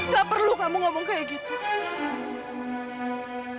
gak perlu kamu ngomong kayak gitu